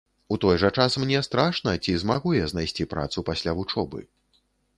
У той жа час мне страшна, ці змагу я знайсці працу пасля вучобы.